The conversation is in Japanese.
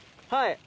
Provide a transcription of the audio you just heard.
はい。